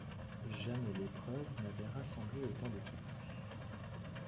Jamais l’épreuve n’avait rassemblé autant d’équipes.